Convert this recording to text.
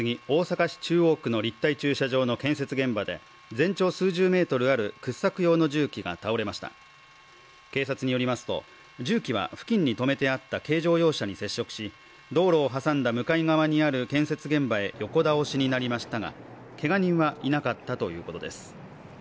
大阪市中央区の立体駐車場の建設現場で全長数十メートルある掘削用の重機が倒れました警察によりますと重機は付近に止めてあった軽乗用車に接触し道路を挟んだ向かい側にある建設現場へ横倒しになりましたがけが人はいなかったということです